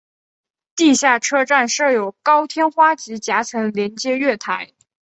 地下车站设有高天花及夹层连接月台。